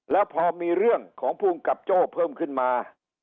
แล้วพอมีเรื่องของภูมิกับโจ้เพิ่มขึ้นมา